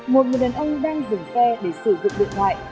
một người đàn ông đang dừng xe để sử dụng điện thoại